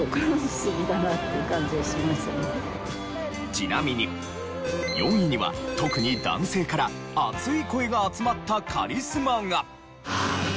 ちなみに４位には特に男性から熱い声が集まったカリスマが。